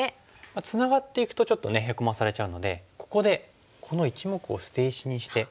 つながっていくとちょっとヘコまされちゃうのでここでこの１目を捨て石にして。